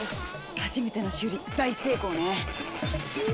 初めての修理大成功ね！